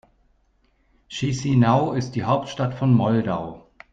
Chișinău ist die Hauptstadt von Moldau.